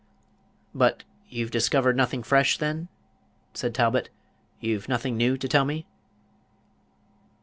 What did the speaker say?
"But you've discovered nothing fresh, then?" said Talbot; "you've nothing new to tell me?"